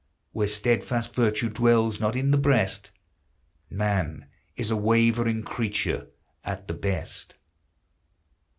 Where steadfast virtue dwells not in the breast, Man is a wavering creature at the best